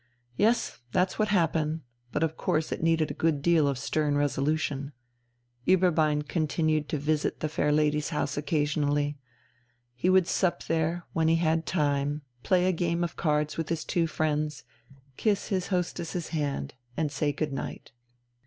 Yes, that's what happened, but of course it needed a good deal of stern resolution. Ueberbein continued to visit the fair lady's house occasionally. He would sup there, when he had time, play a game of cards with his two friends, kiss his hostess's hand, and say good night.